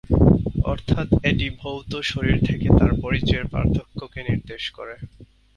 অর্থাৎ এটি ভৌত শরীর থেকে তার পরিচয়ের পার্থক্যকে নির্দেশ করে।